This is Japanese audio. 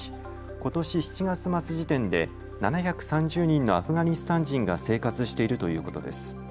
ことし７月末時点で７３０人のアフガニスタン人が生活しているということです。